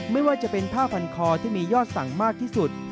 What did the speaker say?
ไม่ว่าจะเป็นผ้าพันคอที่มียอดสั่งมากที่สุด